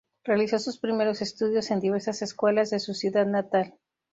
Realizó sus primeros estudios en diversas escuelas de su ciudad natal.